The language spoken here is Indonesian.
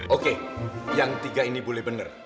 oke yang tiga ini boleh benar